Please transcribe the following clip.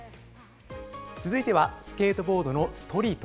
続いては、スケートボードのストリート。